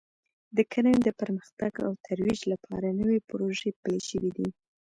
د کرنې د پرمختګ او ترویج لپاره نوې پروژې پلې شوې دي